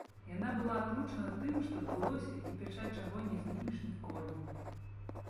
Яна была атручана тым, што адбылося і пячаць чаго не знімеш ніколі.